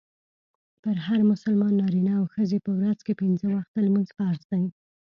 پر هر مسلمان نارينه او ښځي په ورځ کي پنځه وخته لمونځ فرض دئ.